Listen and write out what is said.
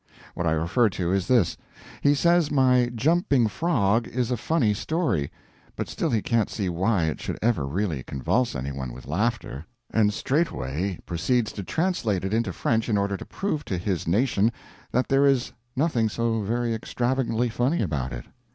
What I refer to is this: he says my Jumping Frog is a funny story, but still he can't see why it should ever really convulse any one with laughter and straightway proceeds to translate it into French in order to prove to his nation that there is nothing so very extravagantly funny about it.